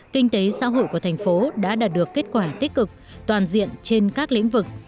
kinh tế xã hội của thành phố đã đạt được kết quả tích cực toàn diện trên các lĩnh vực